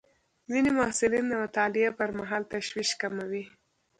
ځینې محصلین د مطالعې پر مهال تشویش کموي.